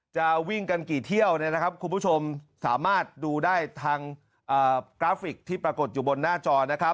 จะวิ่งกันกี่เที่ยวคุณผู้ชมสามารถดูได้ทางกราฟิกที่ปรากฏอยู่บนหน้าจอ